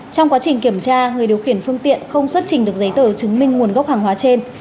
trong quá trình kiểm tra người điều khiển phương tiện không xuất trình được giấy tờ chứng minh nguồn gốc hàng hóa trên